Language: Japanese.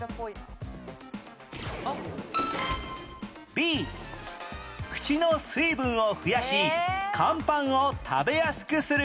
Ｂ 口の水分を増やしカンパンを食べやすくする